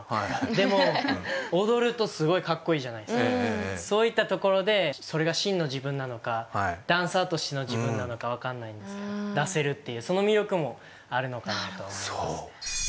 でも踊るとすごいカッコイイじゃないですかそういったところでそれが真の自分なのかダンサーとしての自分なのか分からないですけど出せるっていうその魅力もあるのかなと思います